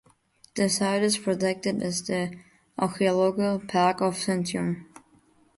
The site is protected as the Archaeological park of Sentinum.